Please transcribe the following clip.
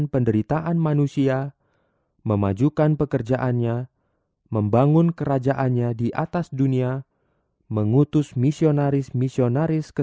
penuh zat zat sitotoksik dan antibakteri yang dapat meringankan diare